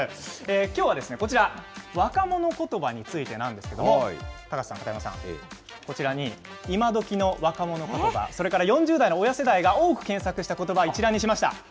きょうはこちら、若者ことばについてなんですけれども、高瀬さん、片山さん、こちらに今どきの若者ことば、それから４０代の親世代が多く検索したことば、一覧にしました。